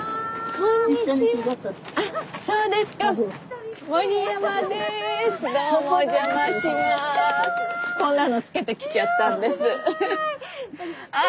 こんなのつけてきちゃったんです。